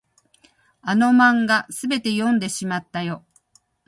あの漫画、すべて読んでしまったよ。